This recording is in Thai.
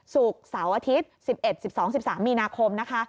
ศุกร์เสาร์อาทิตย์๑๑๑๒๑๓มีนาคมนะคะ